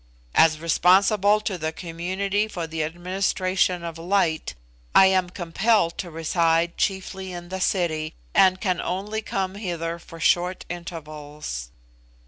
"As responsible to the community for the administration of light, I am compelled to reside chiefly in the city, and can only come hither for short intervals."